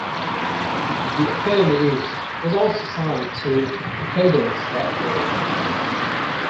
The Academy Is... was also signed to Decaydance that year.